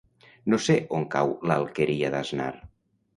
No sé on cau l'Alqueria d'Asnar.